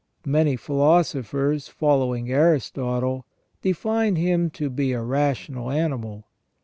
JMany philosophers, following Aristotle, define him to be a rational animal.